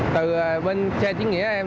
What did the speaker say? từ bên xe chiến nghĩa em